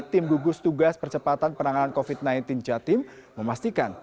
tim gugus tugas percepatan penanganan covid sembilan belas jatim memastikan